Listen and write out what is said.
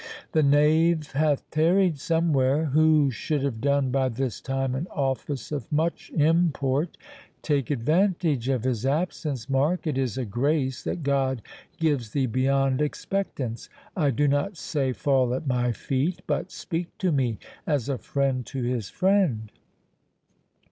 The knave hath tarried somewhere, who should have done by this time an office of much import. Take advantage of his absence, Mark; it is a grace that God gives thee beyond expectance. I do not say, fall at my feet; but speak to me as a friend to his friend."